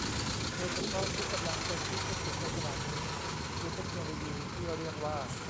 โดยเฉพาะที่กำลังเป็นที่พูดถึงในขณะนี้คือเทคโนโลยีที่เรียกว่า